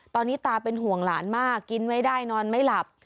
ตอนนี้ตาเป็นห่วงหลานมากกินไม่ได้นอนไม่หลับ